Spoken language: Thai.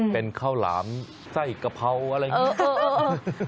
เป็นข้าวหลามไส้กระเพาะอะไรอีก